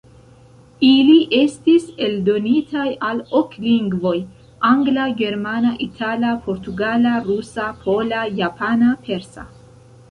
Ili estis eldonitaj al ok lingvoj: Angla, Germana, Itala, Portugala, Rusa, Pola, Japana, Persa.